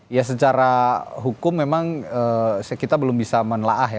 ya secara hukum memang kita belum bisa menelaah ya